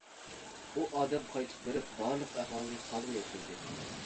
ئۇ ئادەم قايتىپ بېرىپ بارلىق ئەھۋالنى خانغا يەتكۈزدى.